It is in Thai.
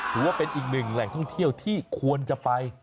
ถือว่าเป็นอีกหนึ่งแหล่งท่องเที่ยวที่ควรจะไป